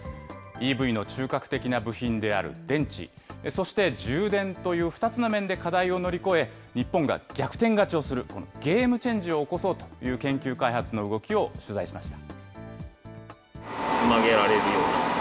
ＥＶの中核的な部品である電池、そして充電という２つの面で課題を乗り越え、日本が逆転勝ちをする、このゲームチェンジを起こそうという研究開発の動きを取材しました。